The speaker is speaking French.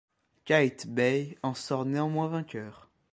Qaitbay en sort néanmoins vainqueur.